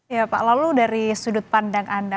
ya pak lalu dari sudut pandang anda